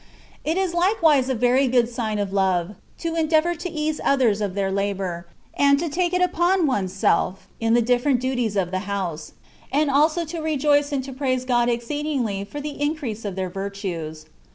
It is likewise a very good sign of love, to endea vour to ease others of their labour, and to take it upon one^s self, in the different duties of the house; and also to rejoice and to praise God ex ceedingly for the increase of their virtues.